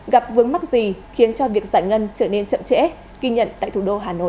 gặp vướng mắc gì khiến cho việc giải ngân trở nên chậm trễ ghi nhận tại thủ đô hà nội